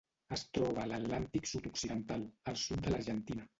Es troba a l'Atlàntic sud-occidental: el sud de l'Argentina.